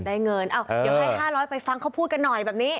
ได้เงินเดี๋ยวให้๕๐๐ไปฟังเขาพูดกันหน่อยแบบนี้